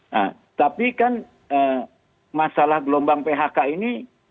nah tapi kan masalah gelombang phk ini apakah bisa dikeluarkan